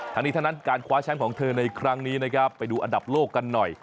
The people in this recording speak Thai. ทั้งนี้ทั้งนั้นการคว้าแชมป์ของเธอในครั้งนี้นะครับไปดูอันดับโลกกันหน่อย